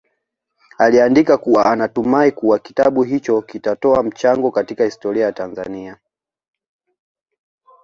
Aliandika kuwa anatumai kuwa kitabu hicho kitatoa mchango katika historia ya Tanzania